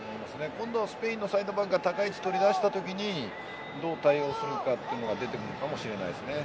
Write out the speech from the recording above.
今度、スペインのサイドバックが高い位置をとり出した時にどう対応するのかというのが出てくるかもしれないですね。